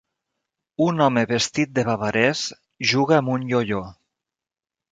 Un home vestit de bavarès juga amb un io-io.